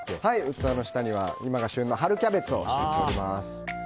器の下には今が旬の春キャベツを敷いてあります。